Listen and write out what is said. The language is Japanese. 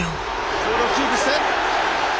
ボールをキープして。